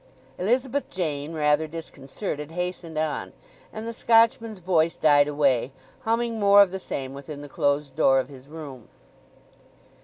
Elizabeth Jane, rather disconcerted, hastened on; and the Scotchman's voice died away, humming more of the same within the closed door of his room.